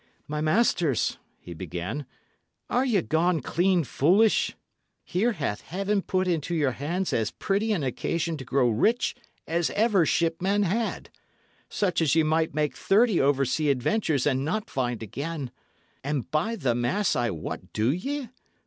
"My masters," he began, "are ye gone clean foolish? Here hath Heaven put into your hands as pretty an occasion to grow rich as ever shipman had such as ye might make thirty over sea adventures and not find again and, by the mass I what do ye?